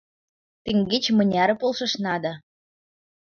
— Теҥгече мыняре полшышна да...